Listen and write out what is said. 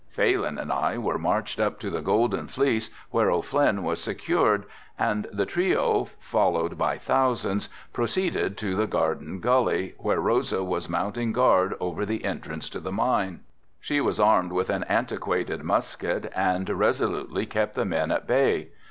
Phalin and I were marched up to the Golden Fleece where O'Flynn was secured and the trio, followed by thousands, proceeded to the Garden Gully where Rosa was mounting guard over the entrance to the mine. She was armed with an antiquated musket and resolutely kept the men at bay.